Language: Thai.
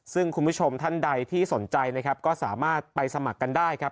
ซึ่งคุณผู้ชมท่านใดที่สนใจนะครับก็สามารถไปสมัครกันได้ครับ